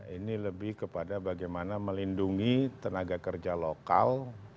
ini lebih kepada bagaimana melindungi tenaga kerja lokal